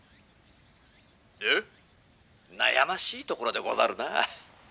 「悩ましいところでござるなぁ」。